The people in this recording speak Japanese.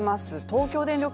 東京電力